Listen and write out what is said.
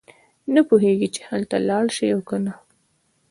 نه پوهېږي چې هلته لاړ شي او کنه.